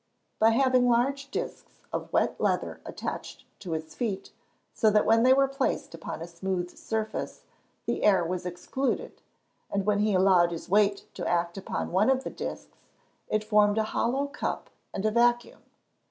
_ By having large discs of wet leather attached to his feet, so that when they were placed upon a smooth surface, the air was excluded, and when he allowed his weight to act upon one of the discs, it formed a hollow cup and a vacuum.